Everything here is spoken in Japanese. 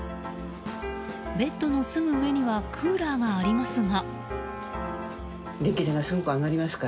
ベッドのすぐ上にはクーラーがありますが。